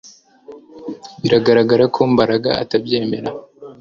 Biragaragara ko Mbaraga atarabyemeza